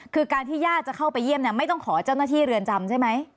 คือการที่ญาติจะเข้าไปเยี่ยมไม่ต้องขอเจ้าหน้าที่เรือนจำใช่ไหม